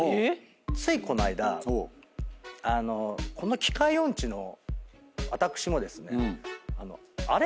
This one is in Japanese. ついこの間この機械音痴の私もですね。